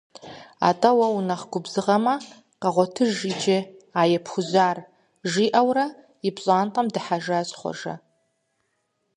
АтӀэ уэ унэхъ губзыгъэмэ, къэгъуэтыж иджы а епхужьар, - жиӀэурэ и пщӀантӀэм дыхьэжащ Хъуэжэ.